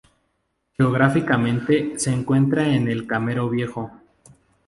Geográficamente se encuentra en el Camero Viejo.